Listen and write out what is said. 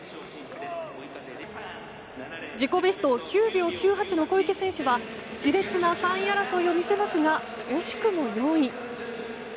自己ベスト９秒９８の小池選手は熾烈な３位争いを見せますが惜しくも４位。